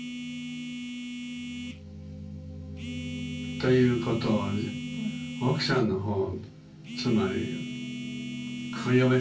ということを奥さんの方つまりお嫁さんですね。